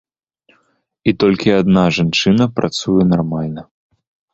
І толькі адна жанчына працуе нармальна.